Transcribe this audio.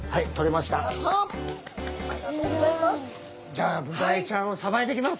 じゃあブダイちゃんをさばいていきます。